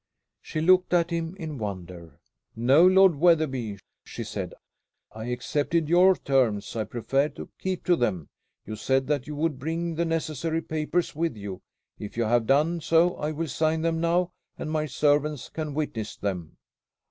She looked at him in wonder. "No, Lord Wetherby," she said, "I accepted your terms. I prefer to keep to them. You said that you would bring the necessary papers with you. If you have done so I will sign them now, and my servants can witness them."